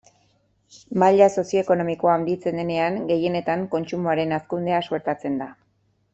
Maila sozioekonomikoa handitzen denean, gehienetan kontsumoaren hazkundea suertatzen da.